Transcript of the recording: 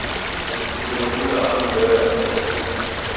Mukupule bula angu mbeo yachua.